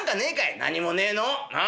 「何もねえの。なあ？